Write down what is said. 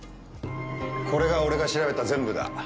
これが俺が調べた全部だ。